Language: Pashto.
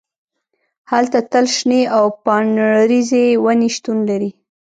هلته تل شنې او پاڼریزې ونې شتون لري